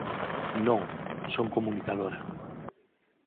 Non, son comunicadora.